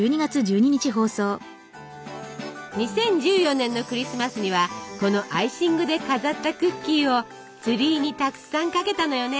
２０１４年のクリスマスにはこのアイシングで飾ったクッキーをツリーにたくさんかけたのよね。